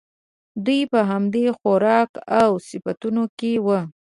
دوی په همدې خوراک او صفتونو کې وو.